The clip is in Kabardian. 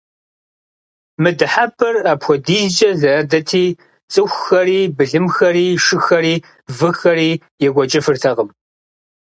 Мы дыхьэпӏэр апхуэдизкӏэ задэти, цӏыхухэри, былымхэри, шыхэри, выхэри екӏуэкӏыфыртэкъым.